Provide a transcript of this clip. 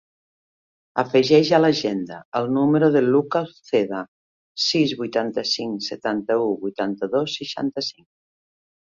Afegeix a l'agenda el número del Lucca Uceda: sis, vuitanta-cinc, setanta-u, vuitanta-dos, seixanta-cinc.